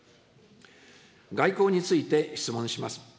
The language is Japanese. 外交について質問します。